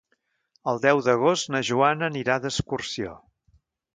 El deu d'agost na Joana anirà d'excursió.